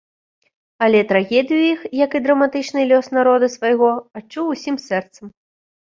Але трагедыю іх, як і драматычны лёс народа свайго, адчуў усім сэрцам.